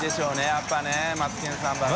やっぱね「マツケンサンバ」が。）